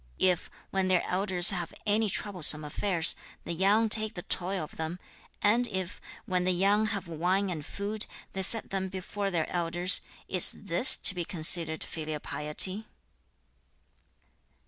If, when their elders have any troublesome affairs, the young take the toil of them, and if, when the young have wine and food, they set them before their elders, is THIS to be considered filial piety?'